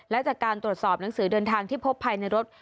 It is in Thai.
และจากการตรวจสอบหนังสือเดินทางที่พบภายในรถ